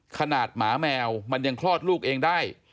หมาแมวมันยังคลอดลูกเองได้